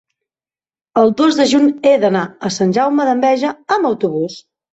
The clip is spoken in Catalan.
el dos de juny he d'anar a Sant Jaume d'Enveja amb autobús.